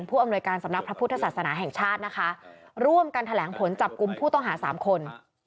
อำนวยการสำนักพระพุทธศาสนาแห่งชาตินะคะร่วมกันแถลงผลจับกลุ่มผู้ต้องหาสามคน